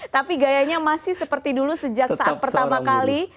tapi gayanya masih seperti dulu sejak saat pertama kali